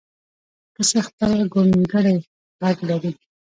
پسه خپل ګونګړی غږ لري.